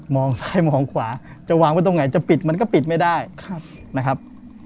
ซ้ายมองขวาจะวางไว้ตรงไหนจะปิดมันก็ปิดไม่ได้นะครับ